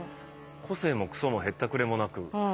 個性もくそもへったくれもなく。